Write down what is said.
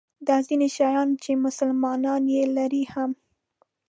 دا ځیني شیان چې مسلمانان یې لري هم.